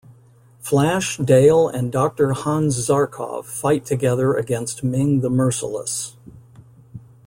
Flash, Dale and Doctor Hans Zarkov fight together against Ming the Merciless.